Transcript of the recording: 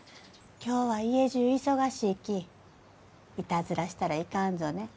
今日は家じゅう忙しいき。いたずらしたらいかんぞね。